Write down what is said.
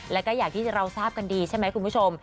แล้วก็อย่างที่เราทราบกันดีใช่ไหมคุณผู้ชม